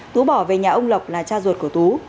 tú bỏ về nhà ông lộc là cha ruột của tú